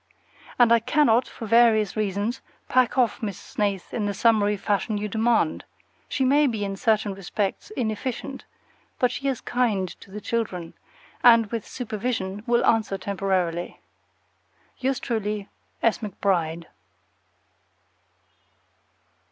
And I cannot, for various reasons, pack off Miss Snaith in the summary fashion you demand. She may be, in certain respects, inefficient; but she is kind to the children, and with supervision will answer temporarily. Yours truly, S. McBRIDE.